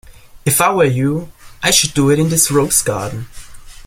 If I were you, I should do it in this rose garden.